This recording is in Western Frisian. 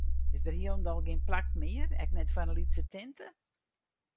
Is der hielendal gjin plak mear, ek net foar in lytse tinte?